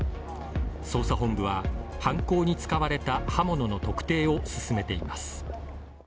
捜査本部は、犯行に使われた刃物の特定を進めています。